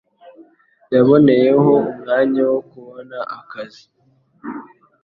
Yaboneyeho umwanya wo kubona akazi.